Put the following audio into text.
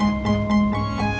bapak juga begitu